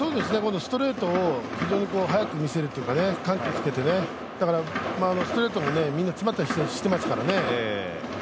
ストレートを非常に早く見せるというか緩急をつけてね、だからストレートにも詰まったりしてますからね。